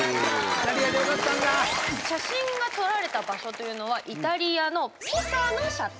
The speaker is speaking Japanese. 写真が撮られた場所というのはイタリアのピサの斜塔。